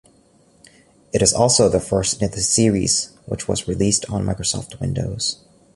It is also the first in the series which was released on Microsoft Windows.